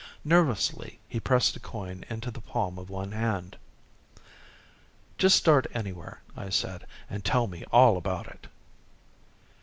Nervously he pressed a coin into the palm of one hand. "Just start anywhere," I said, "and tell me all about it."